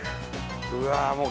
うわーもう。